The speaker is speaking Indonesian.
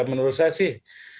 menurut saya sih